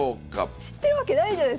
知ってるわけないじゃないすかこれ。